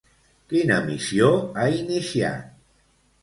Quina missió ha iniciat?